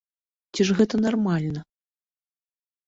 Ці ж гэта нармальна?